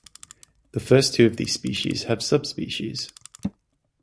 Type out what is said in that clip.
The first two of these species have subspecies.